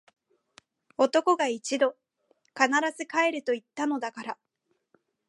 男が一度・・・！！！必ず帰ると言ったのだから！！！